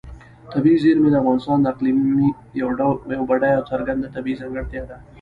طبیعي زیرمې د افغانستان د اقلیم یوه بډایه او څرګنده طبیعي ځانګړتیا ده.